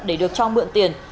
để được cho mượn tiền